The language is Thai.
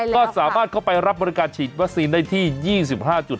ก็สามารถเข้าไปรับบริการฉีดวัคซีนได้ที่๒๕จุด